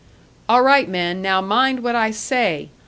"All right, men now mind what I say!